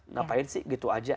ngapain sih gitu aja